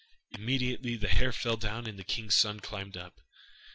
Immediately the hair fell down and the king's son climbed up.